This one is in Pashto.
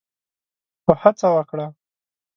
خو هڅه وکړه